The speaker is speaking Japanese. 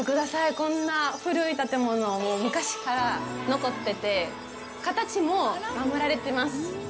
こんな古い建物も昔から残ってて、形も守られてます。